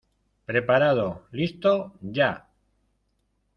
¡ Preparado, listo... Ya!